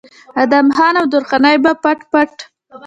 ادم خان او درخانۍ به پټ پټ